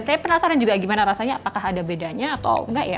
saya penasaran juga gimana rasanya apakah ada bedanya atau enggak ya